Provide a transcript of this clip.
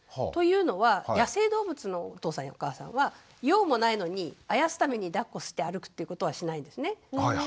というのは野生動物のお父さんやお母さんは用もないのにあやすためにだっこして歩くということはしないんですね。